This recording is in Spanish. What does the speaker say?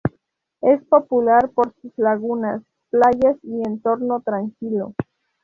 Es popular por sus lagunas, playas y entorno tranquilo.